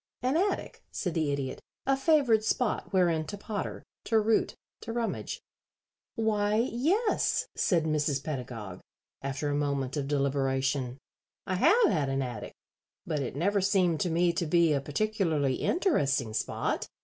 "An attic," said the Idiot. "A favored spot wherein to potter, to root, to rummage." "Why, yes," said Mrs. Pedagog, after a moment of deliberation. "I have had an attic, but it never seemed to me to be a particularly interesting spot.